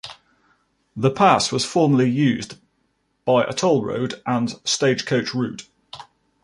The pass was formerly used by a toll road and stagecoach route.